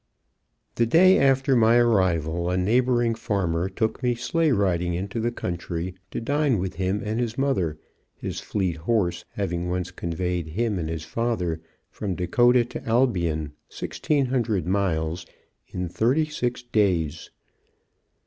The day after my arrival, a neighboring farmer took me sleigh riding into the country to dine with him and his mother, his fleet horse having once conveyed him and his father from Dakota to Albion, 1,600 miles, in thirty six days.